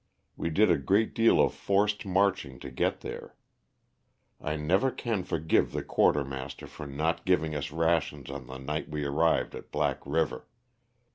We did a great deal of forced marching to get there. I never can forgive the quartermaster for not giving us rations on the night we arrived at Black river.